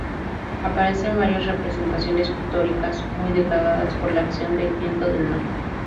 Aparecen varias representaciones pictóricas muy degradadas por la acción del viento del mar.